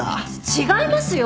違いますよ！